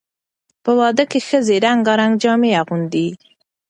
په واده کې ښځې رنګارنګ جامې اغوندي.